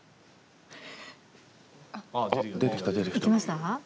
出てきた、出てきた。